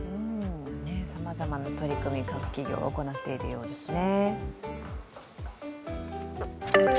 さまざまな取り組みを企業が行っているようですね。